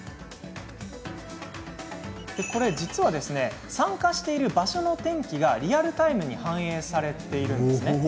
実は参加している場所の天気がリアルタイムに反映されているんです。